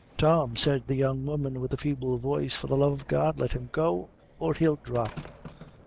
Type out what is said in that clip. "Tom," said the young woman, with a feeble voice, "for the love of God let him go or he'll drop."